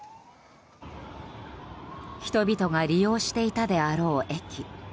人々が利用していたであろう駅。